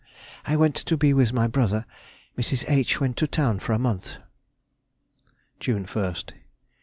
_—I went to be with my brother; Mrs. H. went to town for a month. _June 1st.